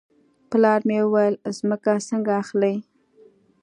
پلار مې وویل ځمکه څنګه اخلې.